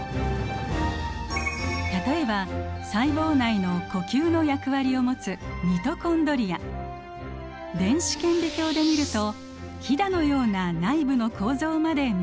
例えば細胞内の呼吸の役割を持つ電子顕微鏡で見るとひだのような内部の構造まで見ることができます。